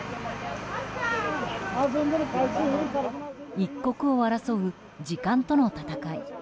一刻を争う時間との戦い。